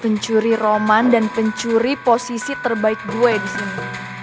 pencuri roman dan pencuri posisi terbaik gue di sini